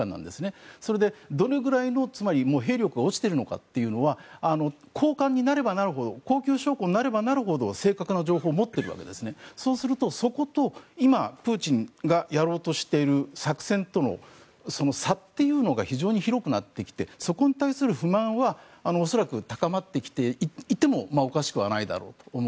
つまり、どれくらい兵力が落ちているかは高官になればなるほど高級将校になればなるほど正確な情報を持っているわけですそうするとそこと今、プーチンがやろうとしている作戦との差というのが非常に広くなってきてそこに対する不満は恐らく高まってきていてもおかしくないだろうと。